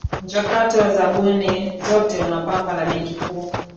mchakato wa zabuni zote unapangwa na benki kuu